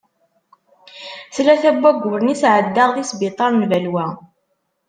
Tlata n wagguren i sεeddaɣ di sbiṭar n Balwa.